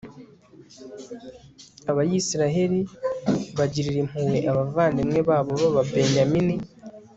abayisraheli bagirira impuhwe abavandimwe babo b'ababenyamini